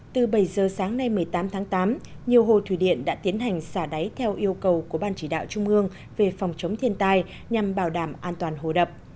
từ bảy giờ sáng nay một mươi tám tháng tám nhiều hồ thủy điện đã tiến hành xả đáy theo yêu cầu của ban chỉ đạo trung ương về phòng chống thiên tai nhằm bảo đảm an toàn hồ đập